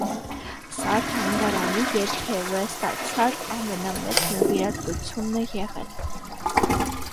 Սա թանգարանի երբևէ ստացած ամենամեծ նվիրատվությունն է եղել։